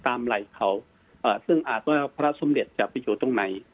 ไหล่เขาซึ่งอาจว่าพระสมเด็จจะไปอยู่ตรงไหน